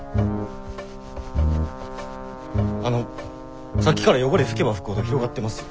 あのさっきから汚れ拭けば拭くほど広がってますよ。